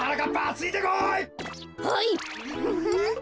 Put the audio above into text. はい。